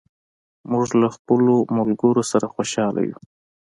موږ له خپلو ملګرو سره خوشاله یو.